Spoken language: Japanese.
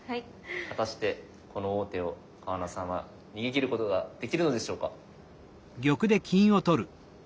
果たしてこの王手を川名さんは逃げ切ることができるのでしょうか。